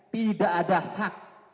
tidak ada hak